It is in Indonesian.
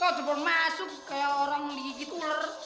oh telepon masuk kayak orang ligi gitu